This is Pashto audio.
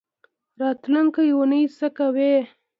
راتلونکۍ اونۍ څه کوئ؟